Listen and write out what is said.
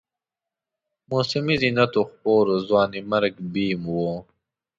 موسمي زینت و خپور، ځوانیمرګ بیم و